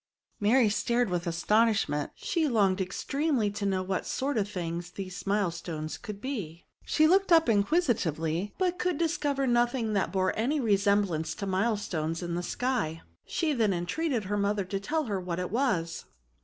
Mary stared with astonishment; she longed extremely to know what sort of things these milestones could be ; she looked up in s 2 196 DEMOKSTRATIVE PROKOVNS. quisitiyeljy but could discover nothing that bore any resemblence to milestones in the sky. She then entreated her mother to tell her what it was.